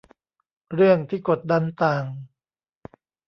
เรื่องที่กดดันต่าง